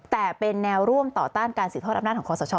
แต่เป็นแนวร่วมต่อต้านการสืบทอดอำนาจของคอสช